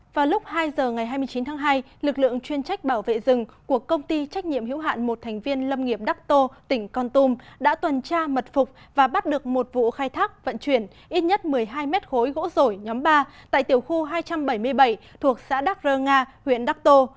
vào lúc hai giờ ngày hai mươi chín tháng hai lực lượng chuyên trách bảo vệ rừng của công ty trách nhiệm hữu hạn một thành viên lâm nghiệp đắc tô tỉnh con tum đã tuần tra mật phục và bắt được một vụ khai thác vận chuyển ít nhất một mươi hai mét khối gỗ rổi nhóm ba tại tiểu khu hai trăm bảy mươi bảy thuộc xã đắc rơ nga huyện đắc tô